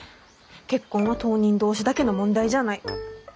結婚は当人同士だけの問題じゃない。